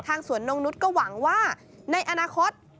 สวนนงนุษย์ก็หวังว่าในอนาคต